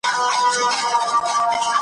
هر نادر سره قادر سته